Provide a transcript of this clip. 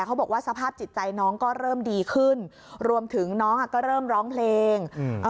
เขาบอกว่าสภาพจิตใจน้องก็เริ่มดีขึ้นรวมถึงน้องก็เริ่มร้องเพลง